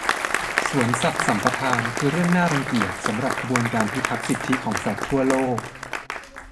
สวนสัตว์สัมปทานคือเรื่องน่ารังเกียจสำหรับขบวนการพิทักษ์สิทธิของสัตว์ทั่วโลก